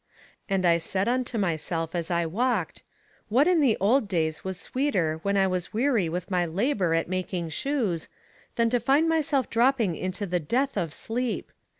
And I said unto myself as I walked: What in the old days was sweeter when I was weary with my labour at making of shoes, than to find myself dropping into the death of sleep!